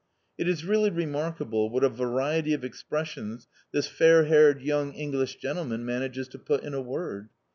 It is really remarkable what a variety of expressions this fair haired young English gentleman manages to put in a word.